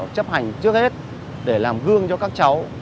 chấp hành trước hết để làm gương cho các cháu